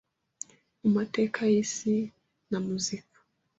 Mu mateka y’isi na Muzika,